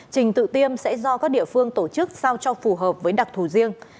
trình tự tiêm sẽ do các địa phương tổ chức sao cho phù hợp với đặc thù riêng